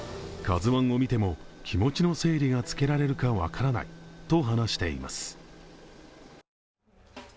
「ＫＡＺＵⅠ」を見ても気持ちの整理がつけられるか分からないと話しています。